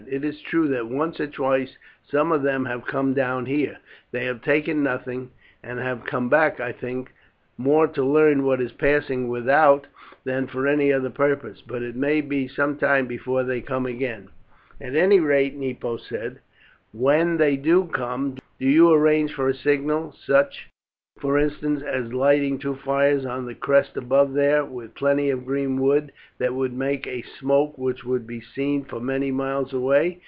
"It is true that once or twice some of them have come down here. They have taken nothing, and have come, I think, more to learn what is passing without than for any other purpose; but it may be some time before they come again." "At any rate," Nepo said, "when they do come, do you arrange for a signal, such, for instance, as lighting two fires on the crest above there, with plenty of green wood, that would make a smoke which would be seen for many miles away.